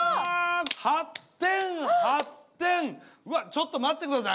８点８点うわちょっと待ってください。